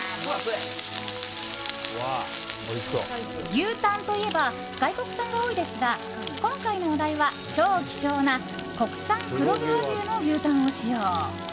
牛タンといえば外国産が多いですが今回のお題は超希少な国産黒毛和牛の牛タンを使用。